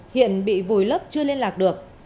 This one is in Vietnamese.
hiện bị vùi lấp chưa liên lạc được